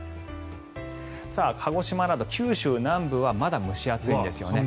鹿児島など九州南部はまだ蒸し暑いんですね。